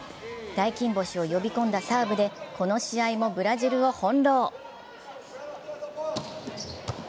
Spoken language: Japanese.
大金星を呼び込んだサーブで、この試合もブラジルを翻弄。